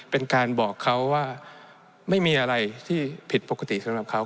เป็นการบอกเขาว่าไม่มีอะไรที่ผิดปกติสำหรับเขา